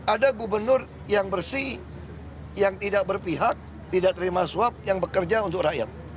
ada gubernur yang bersih yang tidak berpihak tidak terima suap yang bekerja untuk rakyat